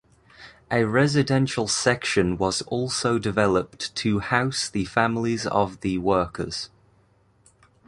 A residential section was also developed to house the families of the workers.